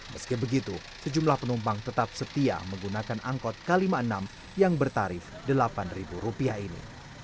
meski begitu sejumlah penumpang tetap setia menggunakan angkot k lima puluh enam yang bertarif rp delapan ini